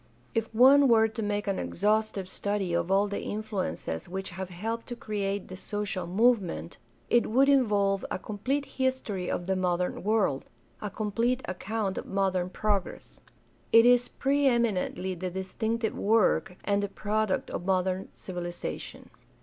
If one were to make an exhaustive study of all the influences which have helped to create the social movement it would involve a complete history of the modern world — a complete account of modern progress. It is pre eminently the distinctive work and the product of modern civilization.